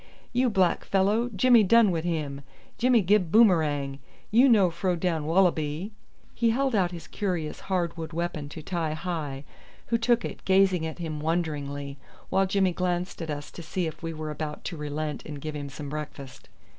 you black fellow, Jimmy done wid him. Jimmy gib boomerang. You no fro down wallaby." He held out his curious hard wood weapon to Ti hi, who took it, gazing at him wonderingly, while Jimmy glanced at us to see if we were about to relent and give him some breakfast.